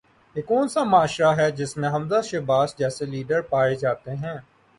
یہ کون سا معاشرہ ہے جس میں حمزہ شہباز جیسے لیڈر پائے جاتے ہیں؟